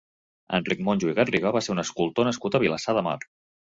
Enric Monjo i Garriga va ser un escultor nascut a Vilassar de Mar.